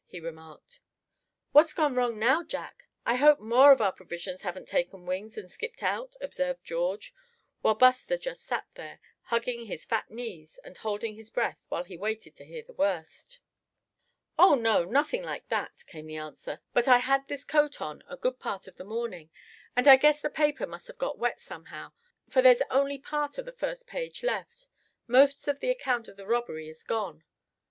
he remarked. "What's gone wrong now, Jack; I hope more of our provisions haven't taken wings, and skipped out?" observed George; while Buster just sat there, hugging his fat knees and holding his breath while he waited to hear the worst. "Oh! no; nothing like that," came the answer, "but you see I had this coat on a good part of the morning, and I guess the paper must have got wet somehow, for there's only part of the first page left; most of the account of the robbery is gone.